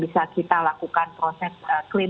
bisa kita lakukan proses klaim